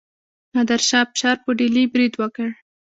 نادر شاه افشار په ډیلي برید وکړ.